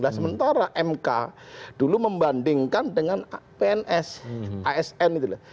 nah sementara mk dulu membandingkan dengan pns asn itu loh